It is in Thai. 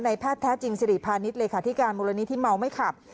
ในแพทย์แท้จริงสิริพาณิชย์เลยค่ะที่การมรณีที่เมาไม่ขับ